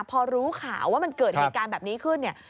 พอรู้ข่าวว่ามันเกิดเหตุการณ์แบบนี้ขึ้นเนี่ย